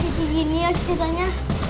jadi gini ya ceritanya